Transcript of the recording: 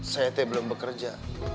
saya teh belum bekerja